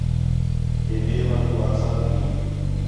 کہ میوا تو آزاد ہیں